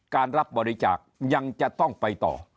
รับบริจาคยังจะต้องไปต่อ